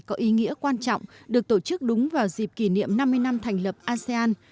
có ý nghĩa quan trọng được tổ chức đúng vào dịp kỷ niệm năm mươi năm thành lập asean